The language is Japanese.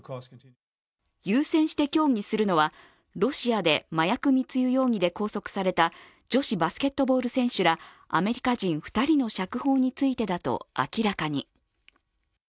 優先して協議するのはロシアで麻薬密輸容疑で拘束された女子バスケットボール選手らアメリカ人２人の釈放についてだと明らかに。